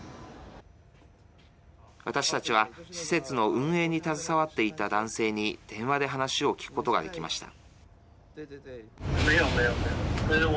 私たちは施設の運営に携わっていた男性に電話で話を聞くことができました。